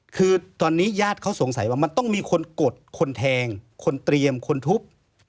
คือตอนนี้ญาติเขาสงสัยว่ามันต้องมีคนกดคนแทงคนเตรียมคนทุบ